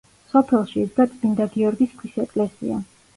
სოფელში იდგა წმინდა გიორგის ქვის ეკლესია.